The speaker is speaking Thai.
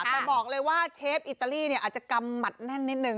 แต่บอกเลยว่าเชฟอิตาลีเนี่ยอาจจะกำหมัดแน่นนิดนึง